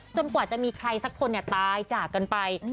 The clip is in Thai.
กว่าจะมีใครสักคนตายจากกันไป